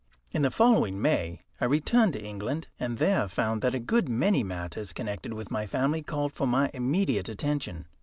In the following May I returned to England, and there found that a good many matters connected with my family called for my immediate attention.